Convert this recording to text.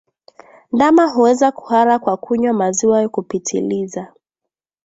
Ndama huweza kuhara kwa kunywa maziwa kupitiliza